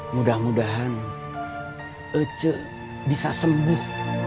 mudah mudahan ece bisa sembuh